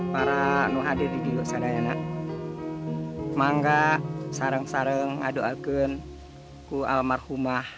para nohade di diosa dayana semangka sarang sarang adoalkun ku almarhumah